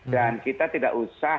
dan kita tidak usah